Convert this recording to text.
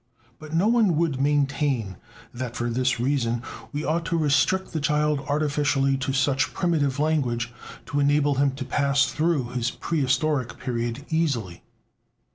But no one would maintain that "for this reason" we ought to restrict the child artificially to such primitive language, to enable him to pass through his prehistoric period easily.